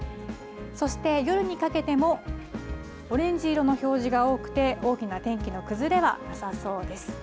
そして夜にかけても、オレンジ色の表示が多くて、大きな天気の崩れはなさそうです。